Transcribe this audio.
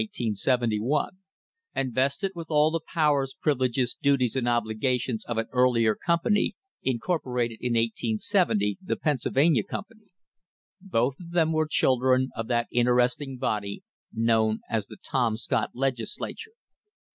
The company had been incorporated in 1871, and vested with all the "powers, privileges, duties and obli gations" of an earlier company — incorporated in April, 1870 — the Pennsylvania Company; both of them were children of that interesting body known as the "Tom Scott Legisla ture.